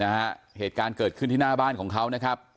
เหตุการณ์เกิดขึ้นที่หน้าบ้านของเขานะครับ